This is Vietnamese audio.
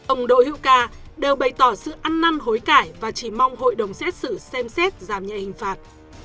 ông đỗ hữu ca đều bày tỏ sự ăn năn hối cải và chỉ mong hội đồng xét xử xem xét giảm nhẹ hình phạt